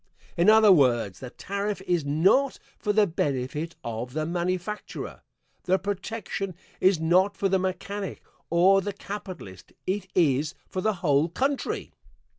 In other words, the tariff is not for the benefit of the manufacturer the protection is not for the mechanic or the capitalist it is for the whole country.